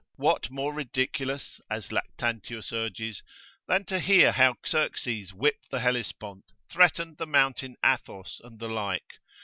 What more ridiculous, as Lactantius urges, than to hear how Xerxes whipped the Hellespont, threatened the Mountain Athos, and the like.